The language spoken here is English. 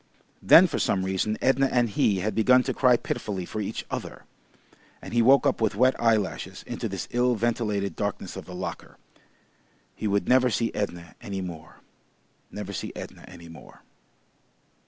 Then for some reason Edna and he had begun to cry pitifully for each other, and he woke up with wet eye lashes into this ill ventilated darkness of the locker. He would never see Edna any more, never see Edna any more.